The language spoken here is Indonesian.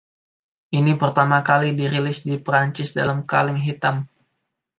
Ini pertama kali dirilis di Prancis dalam kaleng hitam.